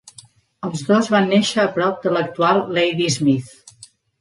Els dos van néixer a prop de l'actual Ladysmith.